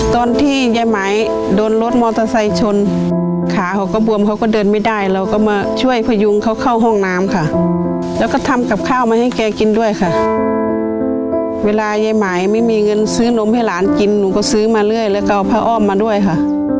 ตอนที่ยายหมายโดนรถมอเตอร์ไซค์ชนขาเขาก็บวมเขาก็เดินไม่ได้เราก็มาช่วยพยุงเขาเข้าห้องน้ำค่ะแล้วก็ทำกับข้าวมาให้แกกินด้วยค่ะเวลายายหมายไม่มีเงินซื้อนมให้หลานกินหนูก็ซื้อมาเรื่อยแล้วก็เอาผ้าอ้อมมาด้วยค่ะ